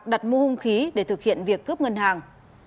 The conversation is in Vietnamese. đặt mua hung khí để thực hiện việc cướp ngân hàng